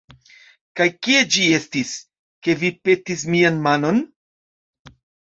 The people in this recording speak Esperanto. Kaj kie ĝi estis, ke vi petis mian manon?